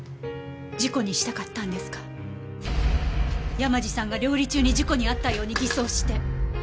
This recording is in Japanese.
山路さんが料理中に事故に遭ったように偽装して。